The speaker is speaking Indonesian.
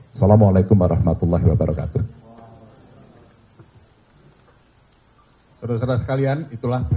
assalamu alaikum warahmatullahi wabarakatuh